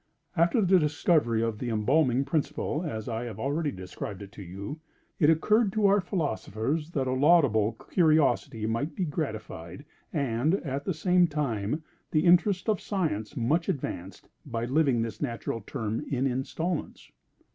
After the discovery of the embalming principle, as I have already described it to you, it occurred to our philosophers that a laudable curiosity might be gratified, and, at the same time, the interests of science much advanced, by living this natural term in installments.